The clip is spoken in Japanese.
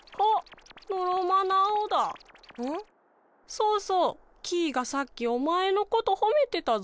そうそう！キイがさっきおまえのことほめてたぞ。